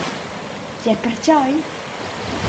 Gie pertgei?